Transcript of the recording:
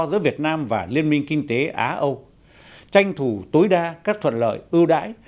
giữa việt nam và liên minh kinh tế á âu tranh thủ tối đa các thuận lợi ưu đãi